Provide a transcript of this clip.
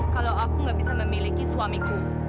kalau aku nggak bisa memiliki suamiku